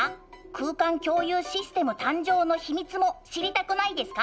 空間共有システム誕生の秘密も知りたくないですか？